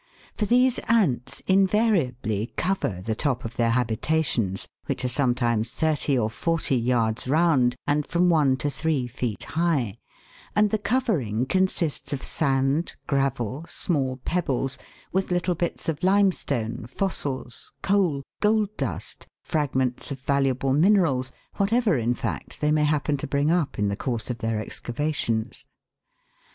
For these ants in variably cover the top of their habitations, which are some times thirty or forty yards round and from one to three feet high ; and the covering consists of sand, gravel, small pebbles, with little bits of limestone, fossils, coal, gold dust, fragments of valuable minerals, whatever, in fact, they may happen to bring up in the course of their excavations.